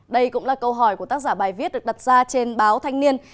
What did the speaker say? đây cũng là câu hỏi của tác giả bài viết được đặt ra trên báo thanh niên